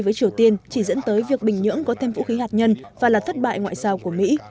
với triều tiên chỉ dẫn tới việc bình nhưỡng có thêm vũ khí hạt nhân và là thất bại ngoại giao của mỹ